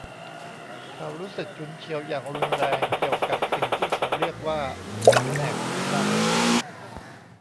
เขารู้สึกฉุนเฉียวอย่างรุนแรงเกี่ยวกับสิ่งที่เขาเรียกว่าแผนกสีดำ